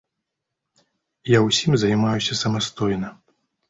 Я ўсім займаюся самастойна.